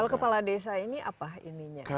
kalau kepala desa ini apa ininya